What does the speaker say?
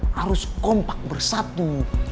harus kompak bersatu